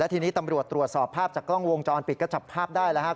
ทีนี้ตำรวจตรวจสอบภาพจากกล้องวงจรปิดก็จับภาพได้แล้วครับ